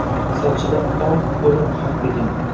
Sochida oq – oʼlim haqligin